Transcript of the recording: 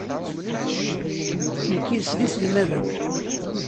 Nekk yid-s d iselmaden.